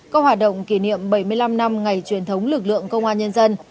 các hoạt động kỷ niệm bảy mươi năm năm ngày truyền thống lực lượng công an nhân dân